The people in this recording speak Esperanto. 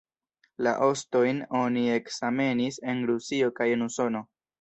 La ostojn oni ekzamenis en Rusio kaj en Usono.